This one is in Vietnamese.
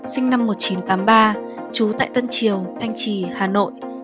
sinh năm một nghìn chín trăm tám mươi ba trú tại tân triều thanh trì hà nội